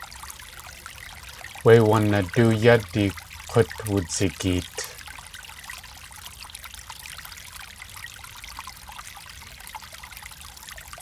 Wé wanadóo yádi k̲ut wudzigeet.